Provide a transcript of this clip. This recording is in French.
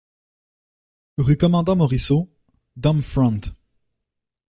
Rue Commandant Moriceau, Domfront